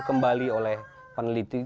kembali oleh peneliti